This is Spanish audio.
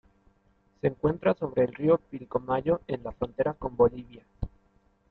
Se encuentra sobre el Río Pilcomayo en la frontera con Bolivia.